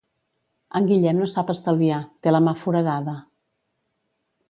En Guillem no sap estalviar, té la mà foradada.